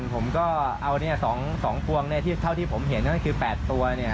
ผมก็เอาเนี้ยสองสองกวงเนี้ยที่เท่าที่ผมเห็นก็คือแปดตัวเนี้ย